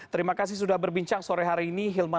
terima kasih sudah berbincang sore hari ini